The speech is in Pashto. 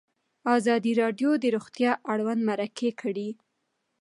ازادي راډیو د روغتیا اړوند مرکې کړي.